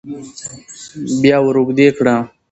بيا وراوږدې کړه